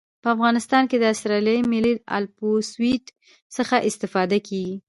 په افغانستان کې د اسټرلیایي ملي الپسویډ څخه استفاده کیږي